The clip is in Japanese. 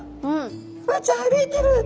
「ボウちゃん歩いてる！」